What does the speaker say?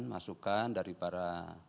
masukan dari para